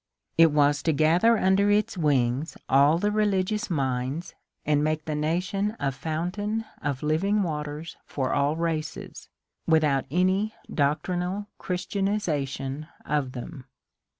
It was to gather under its wings all the religious MABTINEAU 47 minds, and make the nation a fountain of living waters for all races, without any doctrinal Christianization of them.